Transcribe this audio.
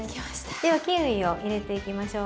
ではキウイを入れていきましょう。